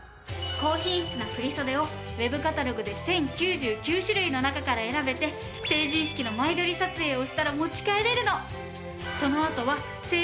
高品質な振袖をＷＥＢカタログで１０９９種類の中から選べて成人式の前撮り撮影をしたら持ち帰れるの！